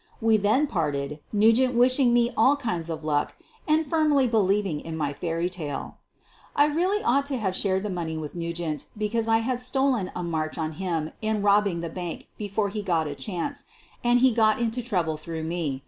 "We then parted, Nugent wishing me all kinds of luck and firmly believing in my fairy tale. I really ought to have shared the money with Nu gent because I had stolen a march on him in robbing the bank before he got a chance, and he got into trouble through me.